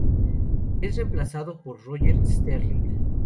Es reemplazado por Roger Sterling.